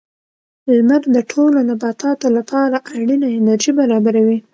• لمر د ټولو نباتاتو لپاره اړینه انرژي برابروي.